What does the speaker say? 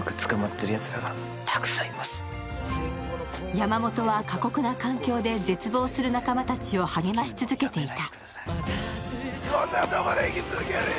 山本は過酷な環境で絶望する仲間たちを励まし続けていた。